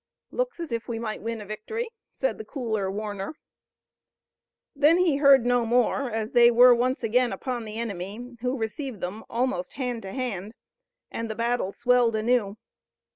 "Looks as if we might win a victory," said the cooler Warner. Then he heard no more, as they were once again upon the enemy who received them almost hand to hand, and the battle swelled anew.